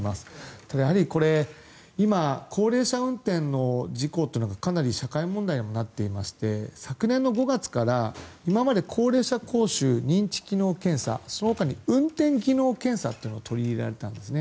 ただ、やはりこれ今、高齢者運転の事故がかなり社会問題にもなっていまして昨年の５月から今まで、高齢者講習認知機能検査、その他に運転技能検査というのが取り入れられたんですね。